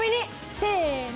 せの！